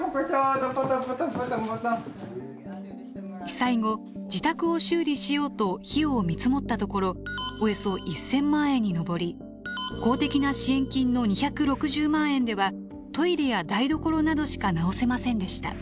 被災後自宅を修理しようと費用を見積もったところおよそ１，０００万円に上り公的な支援金の２６０万円ではトイレや台所などしか直せませんでした。